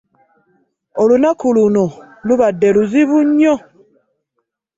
Olunaku luno lubadde luzibu nnyo.